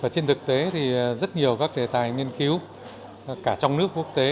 trên thực tế thì rất nhiều các đề tài nghiên cứu cả trong nước quốc tế